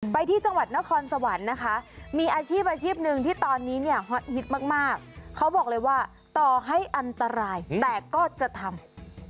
ไปที่จังหวัดนครสวรรค์นะคะมีอาชีพอาชีพหนึ่งที่ตอนนี้เนี่ยฮอตฮิตมากเขาบอกเลยว่าต่อให้อันตรายแต่ก็จะทำ